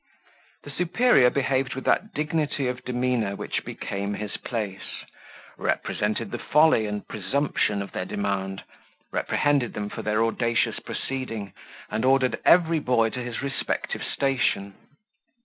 The superior behaved with that dignity of demeanour which became his place, represented the folly and presumption of their demand, reprehended them for their audacious proceeding, and ordered every boy to his respective station.